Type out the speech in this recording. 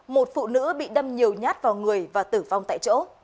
một phụ nữ bị đâm nhiều nhát vào người và tử vong tại chỗ